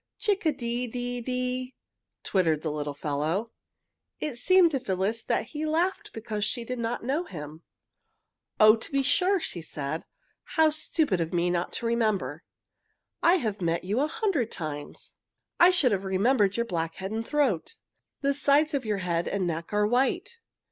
Chick a dee dee dee!" twittered the little fellow. It seemed to Phyllis that he laughed because she did not know him. "Oh, to be sure," said she. "How stupid of me not to remember. I have met you a hundred times. "I should have remembered your black head and throat. The sides of your head and neck are white.